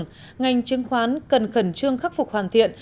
ngoài ra ngành chứng khoán cần khẩn trương khắc phục hoàn thiện